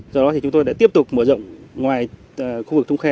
do đó thì chúng tôi đã tiếp tục mở rộng ngoài khu vực thông khe